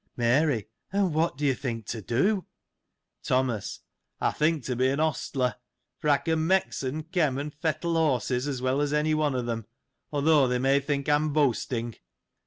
Mary. — And what do you think to do ? Thomas. — I think to be an ostler ; for, I can mexen,^ kem, and fettle horses, as well as any one of them, although thou may think I am boasting.